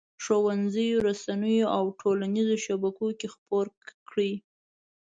ښوونځیو، رسنیو او ټولنیزو شبکو کې خپور کړي.